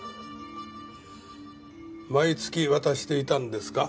毎月渡していたんですか？